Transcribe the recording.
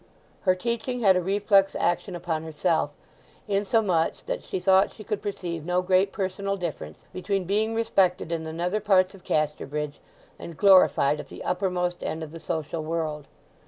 Her teaching had a reflex action upon herself, insomuch that she thought she could perceive no great personal difference between being respected in the nether parts of Casterbridge and glorified at the uppermost end of the social world.